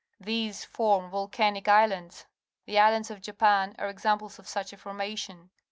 These form volcanic islands. The islands of Japan are examples of such a formation.